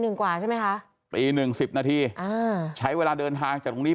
กว่าใช่ไหมคะปีหนึ่งสิบนาทีอ่าใช้เวลาเดินทางจากตรงนี้